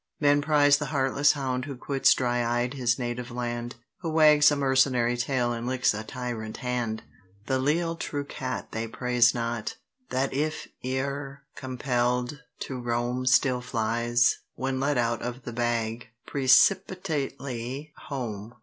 Men prize the heartless hound who quits dry eyed his native land; Who wags a mercenary tail and licks a tyrant hand. The leal true cat they prize not, that if e'er compell'd to roam Still flies, when let out of the bag, precipitately home.